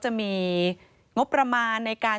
พบหน้าลูกแบบเป็นร่างไร้วิญญาณ